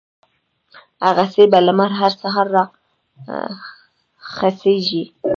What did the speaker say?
هغسې به لمر هر سهار را خېژي